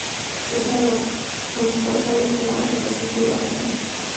Es una de las principales aves guaneras del Pacífico sudamericano.